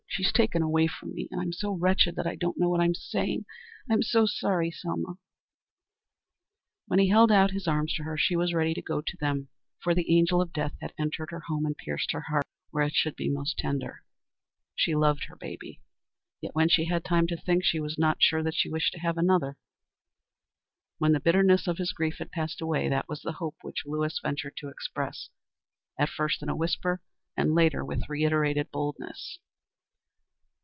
"She's taken away from me, and I'm so wretched that I don't know what I'm saying. I'm sorry, Selma." He held out his arms to her. She was ready to go to them, for the angel of death had entered her home and pierced her heart, where it should be most tender. She loved her baby. Yet, when she had time to think, she was not sure that she wished to have another. When the bitterness of his grief had passed away, that was the hope which Lewis ventured to express, at first in a whisper, and later with reiterated boldness.